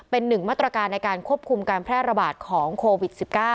เป็นหนึ่งมาตรการในการควบคุมการแพร่ระบาดของโควิด๑๙